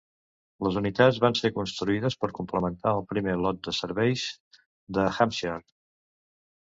Les unitats van ser construïdes per complementar el primer lot de serveis de Hampshire.